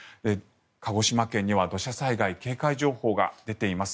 鹿児島県には土砂災害警戒情報が出ています。